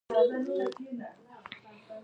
ما اوږده موده شاګردي کړې ده.